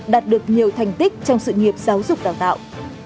đạt được nhiều thành tích trong sự nghiệp giáo dục đào tạo